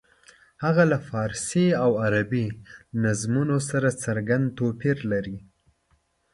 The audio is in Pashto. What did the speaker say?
هغه له فارسي او عربي نظمونو سره څرګند توپیر لري.